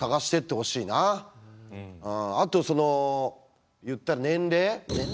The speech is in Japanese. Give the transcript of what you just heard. あとその言ったら年齢？